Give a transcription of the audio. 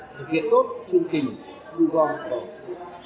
thực hiện tốt chương trình thu gom vỏ hộp sữa